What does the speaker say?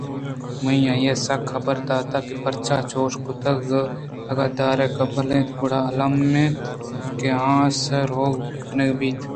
آئیءَ من ءَ سک حبر دات کہ پرچہ چوش کُتگ اگاں دار کُبل اِنت گڑا الّمی نہ اِنت کہ آس روک کنگ بہ بیت